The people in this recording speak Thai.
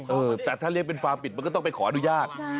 เออแต่ถ้าเรียกเป็นฟาร์มปิดมันก็ต้องไปขออนุญาต